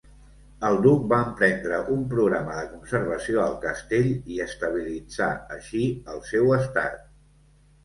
El duc va emprendre un programa de conservació al castell i estabilitzà així el seu estat.